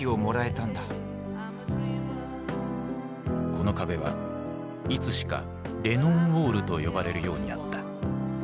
この壁はいつしか「レノン・ウォール」と呼ばれるようになった。